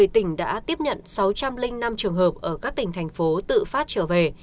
tỉnh đã tiếp nhận sáu trăm linh năm trường hợp ở các tỉnh thành phố tự phát trở về